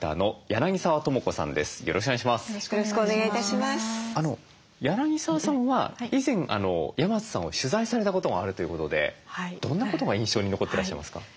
柳澤さんは以前山津さんを取材されたことがあるということでどんなことが印象に残ってらっしゃいますか？